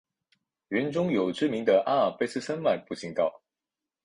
园中有知名的阿尔卑斯山脉步行道。